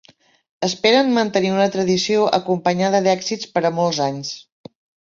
Esperen mantenir una tradició acompanyada d'èxits per a molts anys.